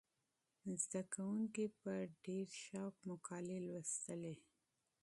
زده کوونکي په ډېر شوق مقالې لوستلې.